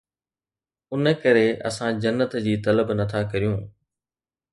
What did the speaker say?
ان ڪري اسان جنت جي طلب نٿا ڪريون